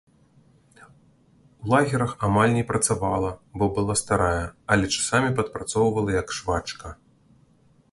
У лагерах амаль не працавала, бо была старая, але часамі падпрацоўвала як швачка.